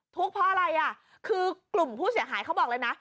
ทุกข์เพราะอะไรอ่ะคือกลุ่มผู้เสียหายเขาบอกเลยนะ